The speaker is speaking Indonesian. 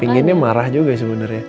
pinginnya marah juga sebenernya